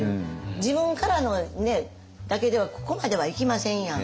自分からのねだけではここまではいきませんやん。